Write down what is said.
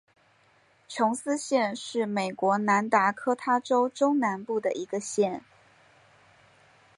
琼斯县是美国南达科他州中南部的一个县。